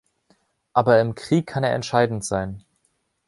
Aber im Krieg kann er entscheidend sein.